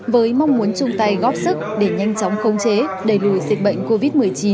với mong muốn chung tay góp sức để nhanh chóng khống chế đẩy lùi dịch bệnh covid một mươi chín